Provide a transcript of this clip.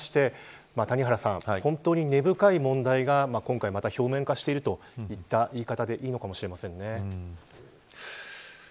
本当に根深い問題が、今回も表面化しているといった言い方でいいのかもしれません。